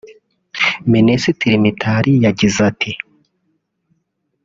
Minsisitri Mitali yagize ati